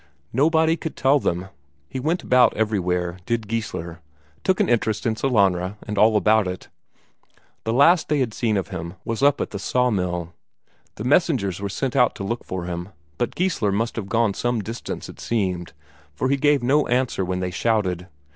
Nobody could tell them; he went about everywhere, did Geissler, took an interest in Sellanraa and all about it; the last they had seen of him was up at the sawmill. The messengers were sent out to look for him, but Geissler must have gone some distance, it seemed, for he gave no answer when they shouted.